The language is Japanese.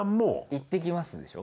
いってきますでしょ？